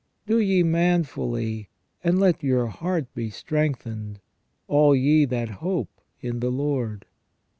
Do ye man fully, and let your heart be strengthened, all ye that hope in the Lord."